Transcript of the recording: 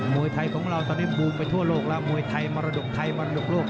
วยไทยของเราตอนนี้บูมไปทั่วโลกแล้วมวยไทยมรดกไทยมรดกโลก